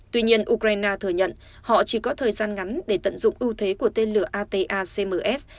tuy nhiên ukraine thừa nhận họ chỉ có thời gian ngắn để tận dụng ưu thế của tên lửa atams